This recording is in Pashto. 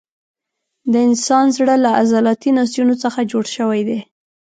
د انسان زړه له عضلاتي نسجونو څخه جوړ شوی دی.